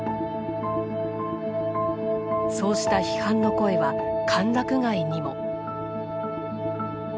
そうした批判の声は歓楽街にも。